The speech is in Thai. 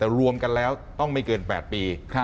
แต่รวมกันแล้วต้องไม่เกิน๘ปี